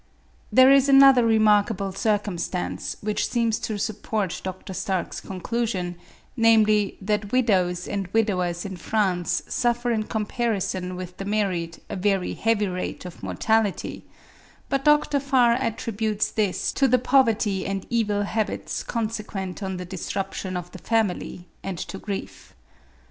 There is another remarkable circumstance which seems to support Dr. Stark's conclusion, namely, that widows and widowers in France suffer in comparison with the married a very heavy rate of mortality; but Dr. Farr attributes this to the poverty and evil habits consequent on the disruption of the family, and to grief.